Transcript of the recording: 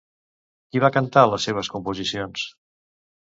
Qui va cantar les seves composicions?